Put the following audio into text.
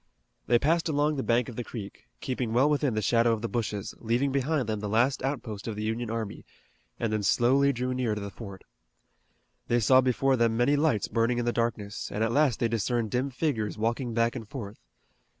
They passed along the bank of the creek, keeping well within the shadow of the bushes, leaving behind them the last outpost of the Union army, and then slowly drew near to the fort. They saw before them many lights burning in the darkness, and at last they discerned dim figures walking back and forth.